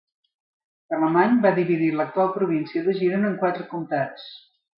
Carlemany va dividir l'actual província de Girona en quatre comtats: